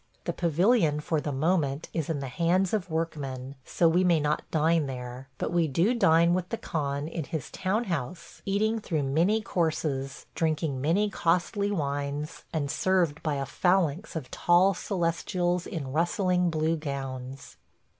The pavilion for the moment is in the hands of workmen, so we may not dine there; but we do dine with the Khan in his town house, eating through many courses, drinking many costly wines, and served by a phalanx of tall Celestials in rustling blue gowns.